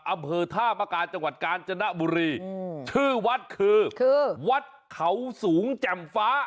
อำเภอท่ามกาจังหวัดกาญจนบุรีชื่อวัดคือคือวัดเขาสูงแจ่มฟ้า